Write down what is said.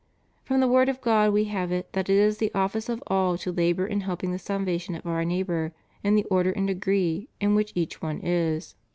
From the word of God we have it that it is the office of all to labor in helping the salvation of our neighbor in the order and degree in which each one is.